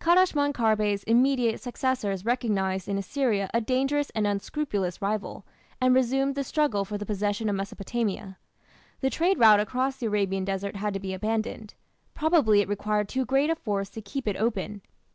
Kadashman Kharbe's immediate successors recognized in Assyria a dangerous and unscrupulous rival, and resumed the struggle for the possession of Mesopotamia. The trade route across the Arabian desert had to be abandoned. Probably it required too great a force to keep it open.